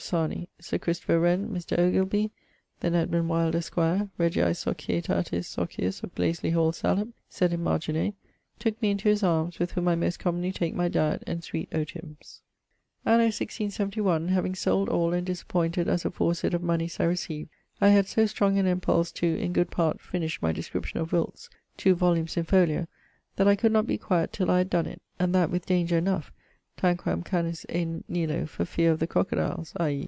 Sarney; Sir Christopher Wren; Mr. Ogilby; then Edmund Wyld, esq., R S S, of Glasely hall, Salop (sed in margine), tooke me into his armes, with whom I most commonly take my diet and sweet otium's. Anno 1671, having sold all and disappointed as aforesaid of moneys I received, I had so strong an impulse to (in good part) finish my Description of Wilts, two volumes in folio, that I could not be quiet till I had donne it, and that with danger enough, tanquam canis e Nilo, for feare of the crocodiles, i.e.